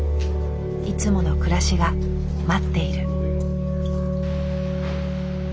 いつもの暮らしが待っている。